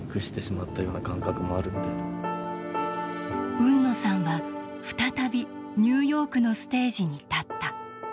海野さんは再びニューヨークのステージに立った。